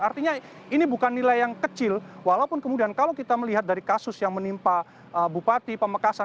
artinya ini bukan nilai yang kecil walaupun kemudian kalau kita melihat dari kasus yang menimpa bupati pamekasan